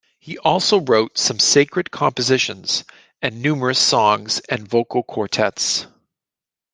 He also wrote some sacred compositions, and numerous songs and vocal quartets.